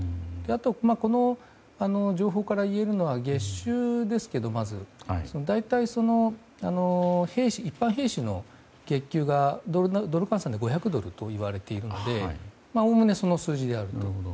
あと、この情報から言えるのは月収ですが大体、一般兵士の月給がドル換算で５００ドルでいわれているのでおおむね、その数字であると。